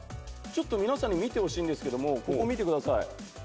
ちょっと皆さんに見てほしいんですけどもここ見てください。